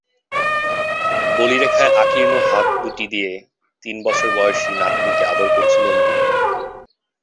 বলিরেখায় আকীর্ণ হাত দুটি দিয়ে তিন বছর বয়সী নাতনিকে আদর করছিলেন তিনি।